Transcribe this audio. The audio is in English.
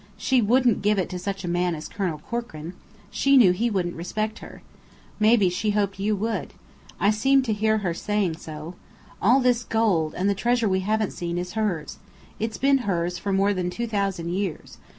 She wouldn't give it to such a man as Colonel Corkran. She knew he wouldn't respect her. Maybe she hoped you would. I seem to hear her saying so. All this gold, and the treasure we haven't seen, is hers. It's been hers for more than two thousand years.